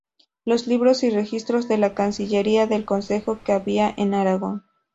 Los libros y registros de la cancillería del Consejo que había en Aragón.